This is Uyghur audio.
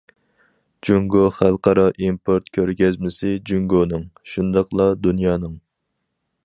جۇڭگو خەلقئارا ئىمپورت كۆرگەزمىسى جۇڭگونىڭ، شۇنداقلا دۇنيانىڭ.